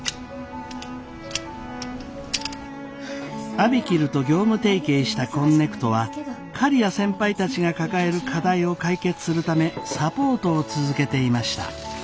ＡＢＩＫＩＬＵと業務提携したこんねくとは刈谷先輩たちが抱える課題を解決するためサポートを続けていました。